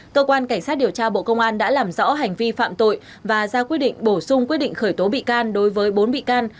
cơ quan cảnh sát điều tra bộ công an đã làm rõ hành vi phạm tội và ra quyết định bổ sung quyết định khởi tố bị can đối với bốn bị can